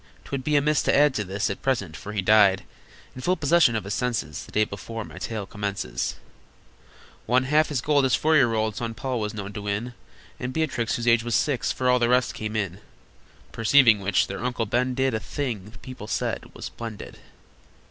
'Twould be amiss to add to this At present, for he died, In full possession of his senses, The day before my tale commences. One half his gold his four year old Son Paul was known to win, And Beatrix, whose age was six, For all the rest came in, Perceiving which, their Uncle Ben did A thing that people said was splendid.